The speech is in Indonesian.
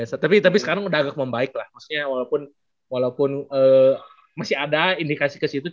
iya tapi tapi sekarang udah agak membaik lah maksudnya walaupun walaupun masih ada indikasi keseluruhan